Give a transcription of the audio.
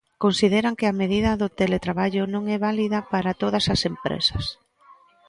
Consideran que a medida do teletraballo non é válida para todas as empresas.